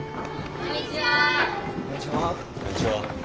こんにちは。